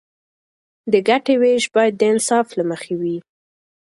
د ګټې ویش باید د انصاف له مخې وي.